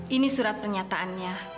ini surat pernyataannya